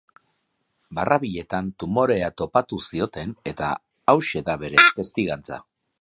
Barrabiletan tumorea topatu zioten eta hauxe da bere testigantza.